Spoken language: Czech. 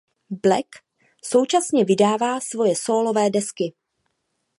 Black současně vydává svoje sólové desky.